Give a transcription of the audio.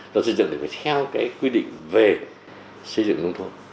luật xây dựng thì phải theo cái quy định về xây dựng nông thôn